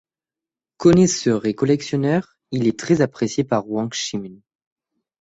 Connaisseur et collectionneur, il est très apprécié par Wang Shimin.